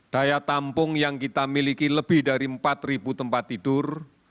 daya tampung yang kita miliki lebih dari empat tempat tidur